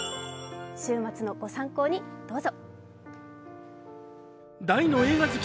週末のご参考にどうぞ。